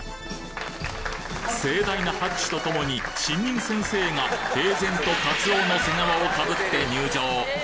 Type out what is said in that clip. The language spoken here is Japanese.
盛大な拍手と共に新任先生が平然とカツオの背皮をかぶって入場。